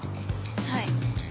はい。